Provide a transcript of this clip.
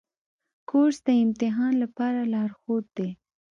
کورس د امتحان لپاره لارښود دی.